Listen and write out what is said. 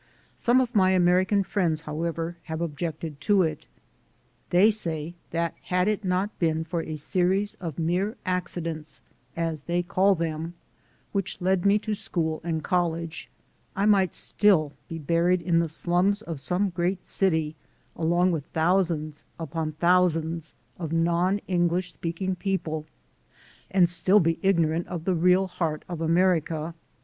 Some of my American friends, however, have objected to it. They say that had it not been for a series of mere accidents as they call them which led me to school and college, I might still be buried in the slums of some great city along with thousands upon thou sands of non English speaking people, and still be ignorant of the real heart of America.